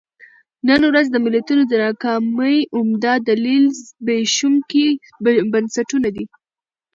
نن ورځ د ملتونو د ناکامۍ عمده دلیل زبېښونکي بنسټونه دي.